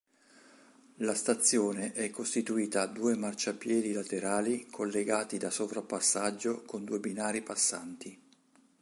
La stazione è costituita due marciapiedi laterali collegati da sovrapassaggio con due binari passanti.